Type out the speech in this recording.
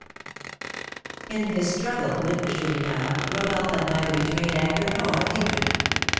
Merrill] In his struggle with the Chourineur, Rodolph had neither betrayed anger nor hatred.